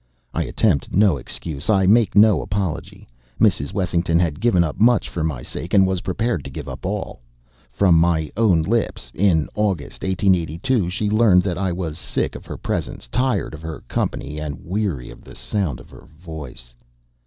I attempt no excuse. I make no apology. Mrs. Wessington had given up much for my sake, and was prepared to give up all. From my own lips, in August, 1882, she learned that I was sick of her presence, tired of her company, and weary of the sound of her voice.